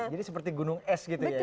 jadi seperti gunung es gitu ya ibu ya